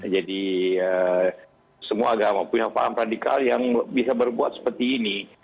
jadi semua agama punya paham radikal yang bisa berbuat seperti ini